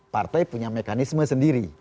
partai punya mekanisme sendiri